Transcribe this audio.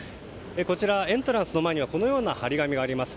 こちら、エントランスの前にはこのような貼り紙があります。